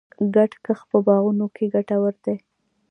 ګډ کښت په باغونو کې ګټور دی.